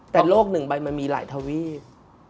แต่โลกหนึ่งใบมันมีหลายทวีป